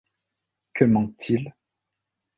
Que manque-t-il ?